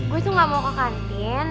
gue tuh gak mau ke kantin